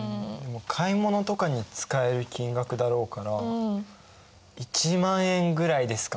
買い物とかに使える金額だろうから１万円ぐらいですか？